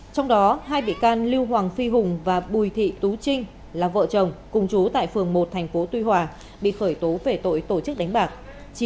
trong đó hai bị can lưu hoàng phi hùng và bùi thị tú trinh là vợ chồng cùng chú tại phường một tp tuy hòa bị khởi tố về tội tổ chức đánh bạc